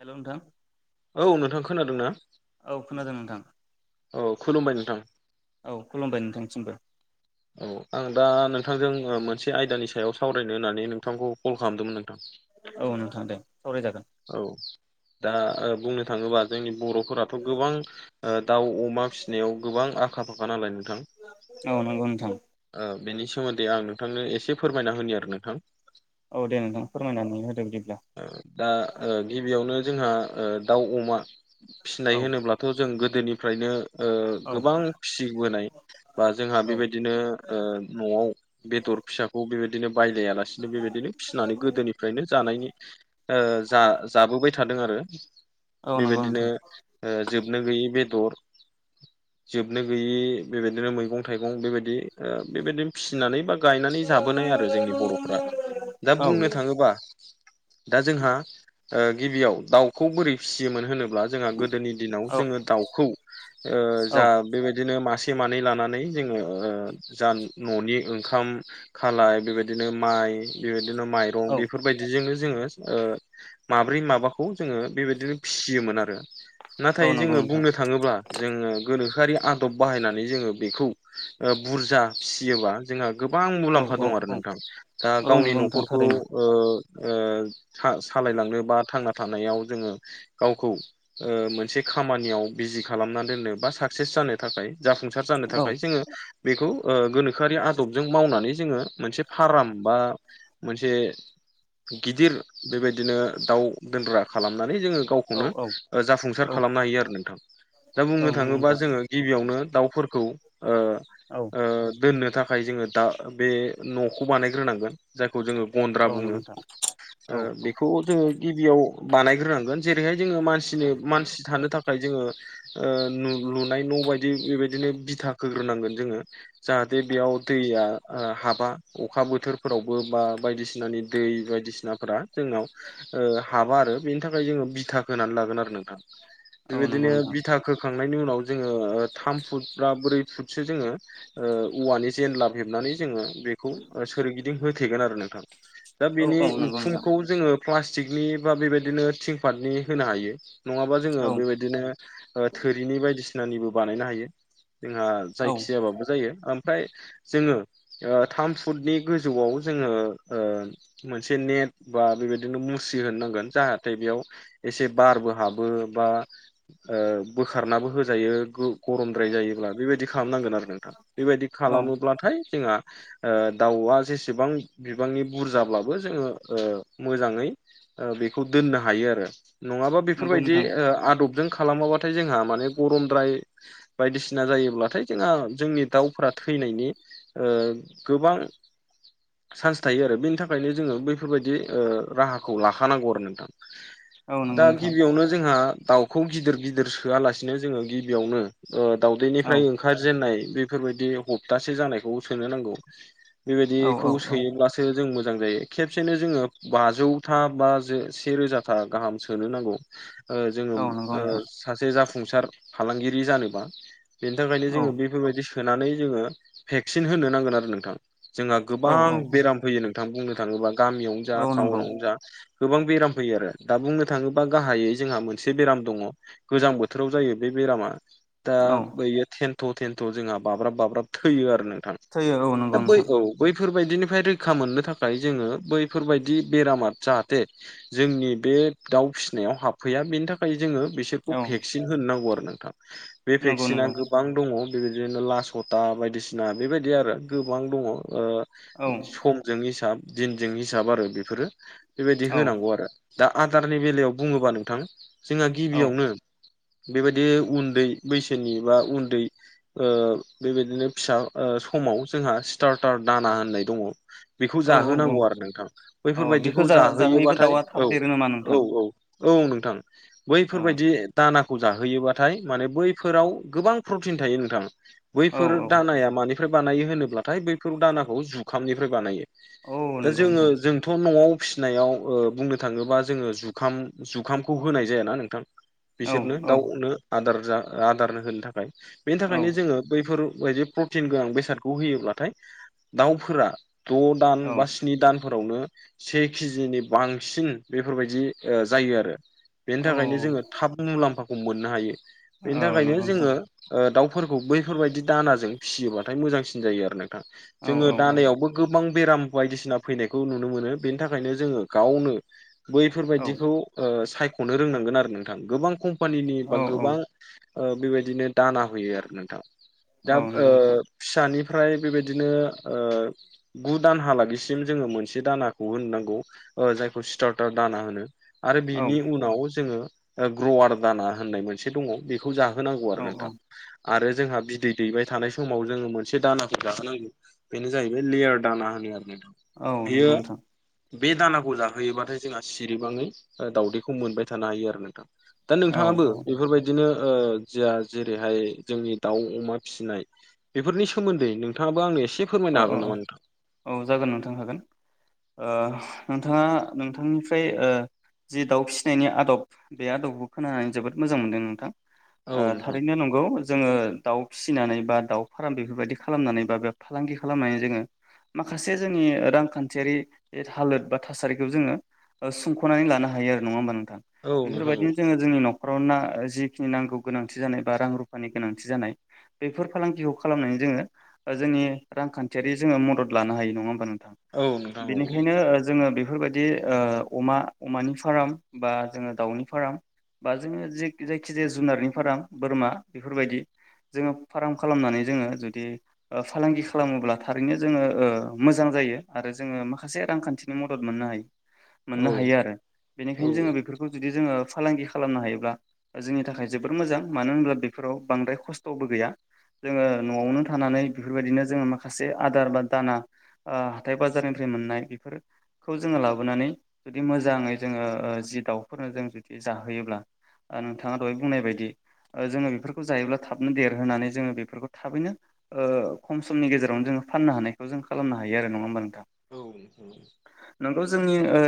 Hello नोंथां औ नोंथां खोनादोंना? औ खोनादों नोंथां औ खुलुमबाय नोंथां औ खुलुमबाय नोंथांसिमबो औ आं दा नोंथांजों मोनसे आयदानि सायाव सावरायनो होननानै नोंथांखौ कल खालामदोंमोन [inaudible] औ नोंथां दे सावराय जागोन औ दा ओ बुंनो थाङोबा जोंनि बर'फोराथ' गोबां ओ दाउ, अमा फिसिनायाव गोबां आखा फाखा नालाय नोंथां औ नंगौ नोंथां ओ बेनि सोमोन्दै आं नोंथांनो एसे फोरमायना होनि आरो नोंथां औ दे नोंथां फोरमायनानै होदो बिदिब्ला ओ दा ओ गिबियावनो जोंहा ओ दाउ, अमा औ फिसिनाय होनोब्ला थ' जों गोदोनिफ्रायनो ओ औ गोबां फिसिबोनाय बा जोंहा औ बेबायदि बिदिनो ओ न'आव बेदर फिसाखौ बेबायदिनो बायलायालासिनो बेबायदिनो फिसिनानै गोदोनिफ्रायनो जानायनि ओ जा जाबोबाय थादों आरो औ नंगौ बेबायदिनो नोंथां ओ जोबनो गैयि बेदर जोबनो गैयि बेबायदिनो मैगं-थाइगं बेबाय दि ओ बेबायदिनो फिसिनानै बा गायनानै औ जाबोनाय आरो जोंनि बर'फोरा दा औ बुंनो थाङोबा दा जोंहा ओ गिबियाव दाउखौ बोरै फिसियोमोन होनोब्ला जोहा गोदोनि दिनाव औ जोङो दावखौ ओ जा बेबायदिनो मासे मानै लानानै जोङो ओ जा न'नि ओंखाम खालाय बेबायदिनो माइ बेबायदिनो माइ रं औ बेफोर बे बायदिजोंनो जोङो ओ माब्रै माबाखौ जोङो बेबायदिनो फिसियोमोन आरो औ नाथाय नंगौ जोङो नोंथां बुंनो थाङोब्ला जोङो गोनोखोआरि आदब बाहायनानै जोङो बिखौ ओ बुरजा फिसियोबा जोंहा गोबां औ मुलाम्फा औ दं आरो औ नोंथां दा औ गावनि नंगौ नोंथां न'खरखौ थारैनो ओ-ओ सा सालायलांनो बा थांना थानायाव जोङो गावखौ ओ मोनसे खामानियाव बिजि खालामना दोननो बा साक्सेस जानो थाखाय जाफुंसार जानो था औ जोङो बेखौ ओ गोनोखोआरि आदबजों मावनानै जोङो मोनसे फार्म बा मोनसे गिदिर बेबायदिनो दाउ दोनग्रा खालामनानै जोङो गाव औ खौनो औ ओ जाफुंसार औ खालामनो हायो आरो नोंथां दा औ बुंनो नंगौ थाङोबा नोंथां जोङो गिबियावनो दाउफोरखौ औ ओ-ओ दोननो थाख खाय जोङो दा बे न'खौ बानायग्रोनांगोन जायखौ जोङो गन्द्रा औ नंगौ बुङो नोंथां औ ओ औ बेखौ जोङो गिबियाव बानायग्रोनांगोन जेरैहाय जोङो मानसिनि मानसि थानो थाखाय जोङो ओ नु लुनाय न' बायदि बेबायदिनो बिथा खो होग्रोनांगोन जोङो जाहाथे बेयाव दैया ओ हाबा अखा बोथोर फोरावबो बा बायदिसिनानि दै बायदिसिनाफोरा जोंनाव ओ हाबा आरो बेनि थाखाय जोङो बिथा खानानै लागोन आरो नोंथां औ नंगौ बेबायदिनो नोंथां बिथा खोखांनायनि उनाव जोङो थाम फुटबा ब्रै खौ फुटसो जोङो औवानि जेनलाब हेबनानै जोङो बे सोरगिदिं होथेगोन आरो नोंथां दा औ बिनि औ नंगौ नोंथां उखुमखौ जोङो प्लास्टिकनि बा बेबायदिनो थिंफाटनि होनो हायो नङाबा जोङो औ बेबायदिनो थोरिनि बायदिसिनानिबो बानायनो हायो जोंहा औ जायखि जाबाबो जायो ओमफ्राय जोङो थाम फुटनि गोजौआव जोङो मोनसे नेट बा बेबायदिनो मुस्रि होनो नांगोन जाहाथे बेयाव एसे बारबो हाबो बा बोखारनाबो होजायो गरमद्राय जायोब्ला बेबायदि खालामनांगोन आरो नोंथां बेबायदि औ खालामोब्लाथाय जोंहा दाउआ जेसेबां बिबांनि बुरजाब्लाबो जोङो मोजाङै बेखौ दोननो हायो आरो नङाबा नंगौ बेफोरबायदि नोंथां आदबजों खालामाबा नाथाय जोंहा माने गरमद्राय बायदिसिना जायो ब्लाथाय जोंहा जोंनि दाउफोरा थैनायनि गोबां चान्स थायो आरो बेनि थाखायनो जोङो बैफोरबायदि राहाखौ लाखानांगौ आरो नोंथां औ नंगौ दा नोंथां गिबियावनो जोंहा दाउ खौ गिदिर गिदिर सोआ लासेनो जोङो गिबियावनो औ दावदैनिफ्राय ओंखारजेनाय बेफोरबायदि हप्तासे जानायखौ सोनो नांगौ औ बेबायदिखौ औ औ सोयोब्ला सो जों मोजां जायो खेबसेनो जोङो बाजौथा बा से रोजाथा गाहाम सोनो नांगौ ओ जोङो औ नंगौ नोंथां सासे जाफुंसार फालांगिरि जानोबा बेनि थाखायनो औ जोङो बेफोरबायदि सोनानै जोङो भेक्सिन होनो नांगोन आरो नोंथां जोंहा औ गोबां औ औ बेराम फैयो नोंथां बुंनो थाङोबा गामियावनो जा औ नंगौ टाउनावनो जा गोबां बेराम फैयो आरो दा बुंनो थाङोबा गाहायै जोंहा मोनसे बेराम दङ गोजां बोथोराव जायो बे बेरामा दा औ बैयो थेनथ' थेनथ' जोंहा बाब्राब बाब्राब थैयो आरो नोंथां थैयो औ दा नंगौ बै नोंथां औ बैफोरबायदिनिफ्राय रैखा मोननो थाखाय जोङो बैफोरबायदि बेरामा जाहाथे जोंनि बे दाउ फिसिनायाव हाबफैया बेनि थाखाय जोङो बिस सोरखौ औ भेक्सिन होनांगौ आरो नोंथां बे नंगौ भेक्सिना नंगौ गोबां दङ बेबायदिनो लासथा बायदिसिना बेबायदि आरो गोबां दङ औ सम जों हिसाब दिनजों हिसाब आरो बेफोरो बेबायदि औ होनांगौ आरो दा आदारनि बेलायाव बुङोबा नोंथां जोंहा औ गिबियावनो बेबायदि उन्दै बैसोनि बा उन्दै बेबायदिनो फिसा समाव जोंहा स्टार्टार दाना होननाय दङ बेखौ औ औ जाहोनांगौ आरो नोंथां औ बेखौ बैफोरबायदिखौ जाहोयोबो जाहोयोबाथाय दाउआ थाब देरो नामा नोंथां औ-औ-औ औ नोंथां औ बैफोरबायदि दानाखौ जाहोयोबाथाय माने बै फोराव गोबां प्रटिन थायो नोंथां औ बैफोर औ दानाया माने फ्राय बानायो होनोब्लाथाय बैफोर दानाखौ जुखामनिफ्राय बानायो औ दा नंगौ जोङो नोंथां जोंथ' न'आव फिसिनायाव ओ बुंनो थाङोबा जोङो जुखाम जुखामखौ होनाय जायाना नोंथां औ बिसोरनो औ दाउनो आदार जा आदारनो होनो थाखाय बेनि औ थाखायनो जोङो बैफोरबायदि प्रटिन गोनां बेसादखौ होयोब्लाथाय दाउफोरा द दान औ बा स्नि दानफोरावनो से केजिनि बांसिन बेफोरबायदि ओ जायो आरो बेनि औ थाखायनो जोङो थाब मुलाम्फाखौ मोननो हायो बेनि औ थाखायनो नंगौ नोंथां जोङो ओ दाउफोरखौ बैफोरबायदि दानाजों फिसियोबाथाय मोजांसिन जायो आरो नोंथां औ जोङो औ औ दानायावबो गोबां बेराम बायदिसिना फैनायखौ नुनो मोनो बेनि थाखायनो जोङो गावनो औ बैफोरबायदिखौ ओ सायख'नो रोंनांगोन आरो नोंथां गोबां कम्पानिनि बा औ औ गोबां ओ बेबायदिनो दाना होयो आरो नोंथां औ दा ओ नंगौ नोंथां फिसानिफ्राय बेबायदिनो ओ गु दानहालागैसिम जोङो मोनसे दानाखौ होनो नांगौ जायखौ स्टार्टार दाना होनो आरो औ बिनि उनाव जोङो ओ ग्रवार दाना होननाय मोनसे दङ' खौ जाहोनांगौ आरो औ औ नोंथां आरो जोंहा बिदै दैबाय थानाय समाव जोङो मोनसे दानाखौ जाहोनांगौ बेनो जाहैबाय लेयार दाना होनो आरो नोंथां औ बेयो नंगौ नोंथां बे दानाखौ जाहोयोबाथाय जोंहा सिरिबाङै ओ दावदैखौ मोनबाय थानो हायो आरो नोंथां दा औ नोंथाङाबो औ बेफोरबायदि बिदिनो ओ जोहा जेरैहाय जोंनि दाउ, अमा फिसिनाय बेफोरनि सोमोन्दै नोंथाङाबो आंनो एसे फोरमायनो अ अ हागोन नामा नोंथां? अ औ जागोन नोंथां हागोन ओ नोंथाङा नोंथांनिफ्राय ओ जि दाउ फिसिनायनि आद'ब बे आद'बखौ खोनानानै जोबोद मोजां मोनदों नोंथां औ ओ नोंथां थारैनो नंगौ जोङो दाउ फिसिनानै बा दाउ फार्म बेफोरबायदि खालामनानै बा बे फालांगि खालामनानै जोङो माखासे जोंनि रांखान्थियारि हालोद बा थासारिखौ जोङो ओ सुंख'नानै लानो हायो आरो नङा होमबा नोंथां औ नोंथां औ बेफोरबायदिनो जोङो जोंनि न'खराव ना जिखिनि नांगौ गोनांथि जानाय बा रां-रुफानि गोनांथि जानाय बेफोर फालांगिखौ खालामनानै जोङो ओ जोंनि रांखान्थियारि जोङो मदद लानो हायो नङा होमबा औ नोंथां औ बेनिखायनो ओ जोङो बेफोरबायदि बिदि ओ अमा अमानि फार्म बा जोङो दाउनि फार्म बा जोङो जे जायखि जाया जुनारनि फार्म बोरमा बेफोरबायदि जोङो फार्म खालामनानै जोङो जुदि ओ फालांगि खालामोब्ला थारैनो जोङो ओ मोजां जायो आरो जोङो माखासे रांखान्थिनि मदद मोननो हायो औ मोननो हायो आरो औ बेनिखायनो जोङो बेफोरखौ जुदि जोङो फालांगि खालामनो हायोब्ला जोंनि थाखाय जोबोर मोजां मानो होनब्ला बेफोराव बांद्राय खस्थ'बो गैया जोङो न'आवनो थानानै बेफोरबायदिनो जोङो माखासे आदार बा दाना ओ हाथाय-बाजारनिफ्राय मोननाय बेफोर खौ जोङो लाबोनानै जुदि मोजाङै जोङो ओ जि दाउफोरनो जों जुदि जाहोयोब्ला ओ नोंथाङा दहाय बुंनायबायदि ओ जोङो बेफोरखौ जायोब्ला थाबनो देरहोनानै जोङो बेफोरखौ थाबैनो ओ खम समनि गेजेराव जोङो फाननो हानायखौ जों खालामनो हायो नङा होमबा नोंथा औ नोंथां नंगौ जोंनि ओ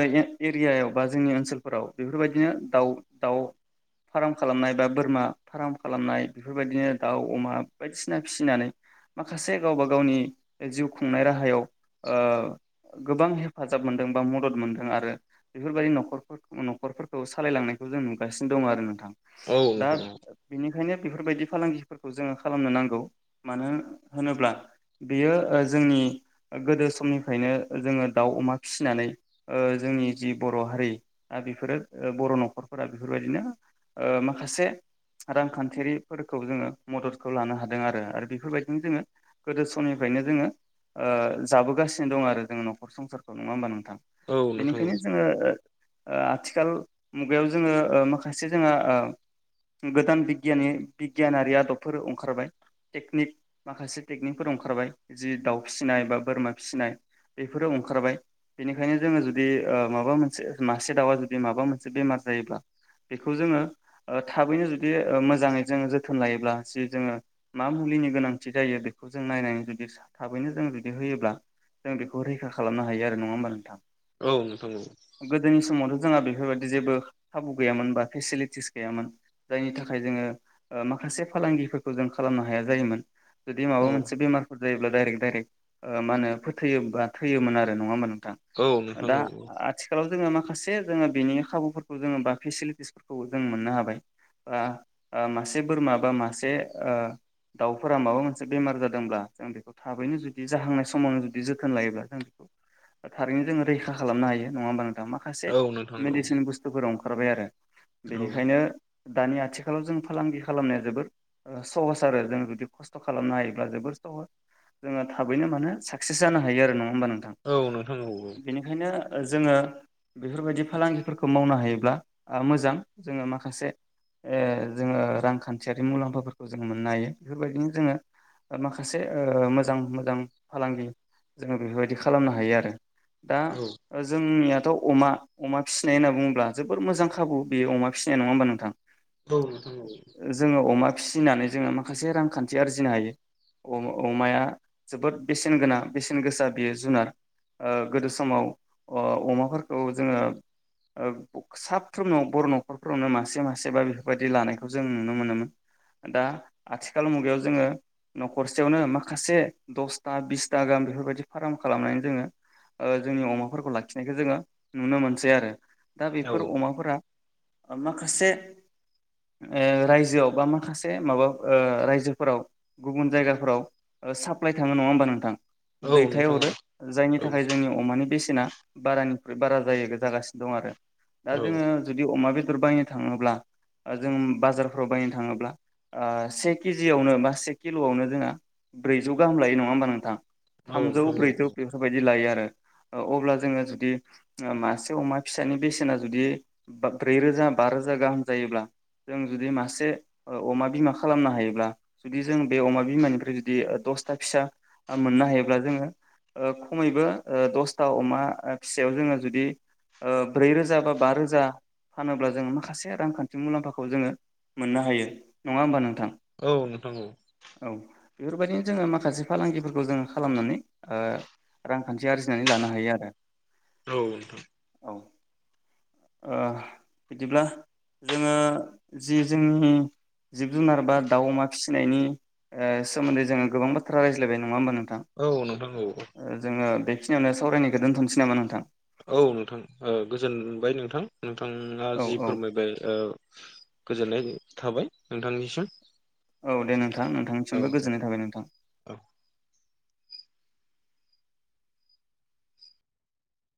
एरियायाव बा जोंनि ओनसोलफोराव बेफोरबायदिनो दाउ दाउ फार्म खालामनाय बा बोरमा फार्म खालामनाय बेफोरबायदिनो दाउ, अमा बायदिसिना फिसिनानै माखासे गावबा गावनि जिउ खुंनाय राहायाव ओ गोबां हेफाजाब मोनदों बा मदद मोनदों आरो बेफोरबायदि न'खरफोर न'खरफोरखौ सालायलांनायखौ जों नुगासिनो दङ आरो नोंथां औ दा नोंथां औ बेनिखायनो बेफोरबायदि फालांगिफोरखौ जोङो खालामनो नांगौ मानो होनोब्ला बेयो जोंनि गोदो समनिफ्रायनो जोङो दाउ अमा फिसिनानै ओ जोंनि जि बर' हारि दा बेफोरो बर' न'खरफोरा बेफोरबायदिनो ओ माखासे रांखान्थियारिफोरखौ जोङो मददखौ लानो हादों आरो आरो बेफोरबायदिनो जोङो गोदो समनिफ्रायनो जोङो ओ जाबोगासिनो दं आरो जोङो न'खर संसारखौ नङा होमबा नोंथां औ नोंथां बेनिखायनो जोङो ओ आथिखाल मुगायाव जोङो ओ माखासे जोङो ओ गोदान बिगियनि बिगियानारि आदबफोर अंखारबाय टेकनिक माखासे टेकनिकफोर ओंखारबाय जि दाउ फिसिनाय बा बोरमा फिसिनाय बेफोरो ओंखारबाय बेनिखायनो जोङो जुदि ओ माबा मोनसे मासे दाउआ जुदि माबा मोनसे बेमार जायोब्ला बेखौ जोङो ओ थाबैनो जुदि मोजाङै जोङो जोथोन लायोब्ला जि जोङो मा मुलिनि गोनां थि जायो बेखौ जों नायनानै जुदि थाबैनो जों जुदि होयोब्ला जों बेखौ रैखा खालामनो हायो आरो नङा होमबा नोंथां औ नोंथां नंगौ गोदोनि समावथ' जोंहा बेफोरबायदि जेबो खाबु गैयामोन बा फेसिलिटिस गैयामोन जायनि थाखाय जोङो ओ माखासे फालांगिफोरखौ जों खालामनो हाया जायोमोन जुदि माबा औ मोनसे बेमार फोर जायोब्ला डाइरेक्ट दडाइरेक्ट मा होनो फोथैयोबा थैयोमोन आरो नङा होमबा नोंथां औ नोंथां दा औ आथ थिखालाव जोङो माखासे जोङो बेनि खाबुफोरखौ जोङो बा फेसिलिटिसफोरखौ जों मोननो हाबाय आ मासे बोरमा बा मासे ओ दाउफोरा माबा मोन से बेमार जादोंब्ला जों बेखौ थाबैनो जुदि जाहांनाय समावनो जुदि जोथोन लायोब्ला जों थारैनो जोङो रैखा खालामनो हायो नङा होमबा नों दा माखासे औ नोंथां मेडिसिन बुसथुफोराव ओंखारबाय आरो औ बेनिखायनो दानि आथिखालाव जों फालांगि खालामनाया जोबोर सहस आरो जों जुदि खस' खसथ' खालामनो हायोब्ला जोबोर सहस जोङो थाबैनो माने साकसेस जानो हायो आरो नङा होमबा नोंथां औ नोंथां नंगौ बेनिखायनो जोङो बेफोरबायदि फालांगिफोरखौ मावनो हायोब्ला मोजां जोङो माखासे ओ जोङो रांखानथियारि मुलामफाफोरखौ जोङो मोननो हायो बेफोरबायदिनो जोङो माखासे ओ मोजां मोजां फालांगि जोङो बेफोरबायदि खालामनो हायो आरो दा औ जोंनियाथ' अमा अमा फिसिनाय होनना बुङोब्ला जोबोर मोजां खाबु बेयो अमा फिसिनाया नङा होमबा नोंथां औ नोंथां नंगौ जोङो अमा फिसिनानै जोङो माखासे रांखान्थि आरजिनो हायो अ अमाया जोबोद बेसेनगोनां बेसेन गोसा बियो जुनार ओ गोदो समाव ओ अमाफोरखौ जोङो ओ साफ्रोमनाव बर' न'खरफोरावनो मासे मासेबा बेफोरबायदि लानायखौ जों नुनो मोनोमोन दा आथिखाल मुगायाव जोङो न'खरसेयावनो माखासे दसथा बिसथा गाहाम बेफोरबायदि फाराम खालामनानै जोङो ओ जोंनि अमाफोरखौ लाखिनायखौ जोङो नुनो मोनसै आरो दा औ बेफोर अमाफोरा माखासे ओ रायजोआव बा माखासे माबा ओ रायजो फोराव गुबुन जायगाफोराव साप्लाइ थाङो नङा होमबा नोंथां औ औ नोंथां औ दैथायहरो जायनि थाखाय जोंनियाव अमानि बेसेना बारानिख्रुइ बारा जायो जागासिनो दं आरो औ नोंथां औ दा जोङो जुदि अमा बेदर बायनो थाङोब्ला ओ जों बाजारफोराव बायनो थाङोब्ला आ बे केजि जियावनो बा बे किल'यावनो जों ब्रैजौ गाहाम लायो नङा होनबा नोंथां औ थामजौ नोंथां औ ब्रैजौ बेफोरबायदि लायो आरो अब्ला जोङो जुदि मासे अमा फिसानि बेसेना जुदि ब्रै रोजा बा रोजा गाहाम जायोब्ला जों जुदि मासे अमा बिमा खालामनो हायोब्ला जुदि जों बे अमा बिमानिफ्राय जुदि दसथा फिसा मोननो हायोब्ला जोङो ओ खमैबो दसथा अमा फिसायाव जोङो जुदि ओ ब्रै रोजा बा बा रोजा फानोब्ला जोङो माखासे रांखानथि मुलामफाखौ जोङो मोननो हायो नङा होमबा नोंथां औ नोंथां औ औ बेफोरबायदिनो जोङो माखासे फालांगिफोरखौ जोङो खालामनानै ओ रांखानथि आरजिनानै लानो हायो आरो औ नोंथां औ ओ बिदिब्ला जोङो जि जोंनि जिब जुनार बा दाउ अमा फिसिनायनि सोमोन्दै जोङो गोबां बाथ्रा रायज्लायबाय नङा होमबा नोंथां औ नोंथां औ जोङो बेखिनियावनो सावरायनायखौ दोनथ'नोसै नामा नोंथां औ नोंथां गोजोनबाय नोंथां नोंथाङा औ जि औ फोरमायबाय गोजोननाय थाबाय नोंथांनिसिम औ दे नोंथां औ नोंथांनिसिमबो दे गोजोन्नाय थाबाय नोंथां औ